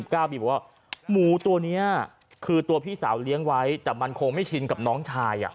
บอกว่าหมูตัวนี้คือตัวพี่สาวเลี้ยงไว้แต่มันคงไม่ชินกับน้องชาย